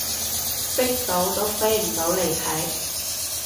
識到都飛唔到嚟睇